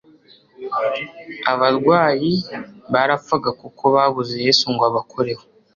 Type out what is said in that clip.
Abarwayi barapfaga kuko babuze Yesu ngo abakoreho.